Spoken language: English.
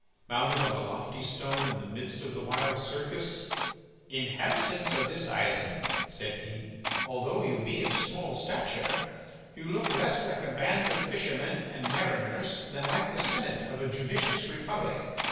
Mounted on a lofty stone in the midst of the wild circus: "Inhabitants of this island," said he, "although you be of small stature, you look less like a band of fishermen and mariners than like the senate of a judicious republic.